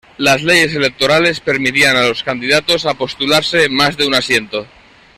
Las leyes electorales permitían a los candidatos a postularse en más de un asiento.